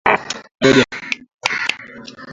Nyama ikiiva kidogo ipua na kuweka pembeni